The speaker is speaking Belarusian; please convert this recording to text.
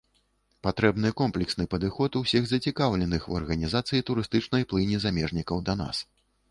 Патрэбны комплексны падыход усіх зацікаўленых у арганізацыі турыстычнай плыні замежнікаў да нас.